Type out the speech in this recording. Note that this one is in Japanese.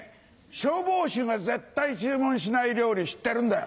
消防士が絶対注文しない料理知ってるんだよ。